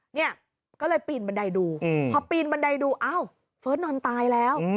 เนี่ยก็เลยปีนบันไดดูพอปีนบันไดดูอ้าวเฟิร์สนอนตายแล้ว